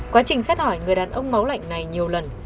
quá trình xét hỏi người đàn ông máu lạnh này nhiều lần